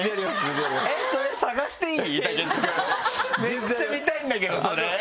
めっちゃ見たいんだけどそれ。